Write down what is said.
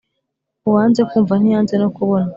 uwanze kumva ntiyanze no kubona